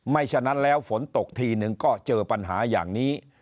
ฉะนั้นแล้วฝนตกทีนึงก็เจอปัญหาอย่างนี้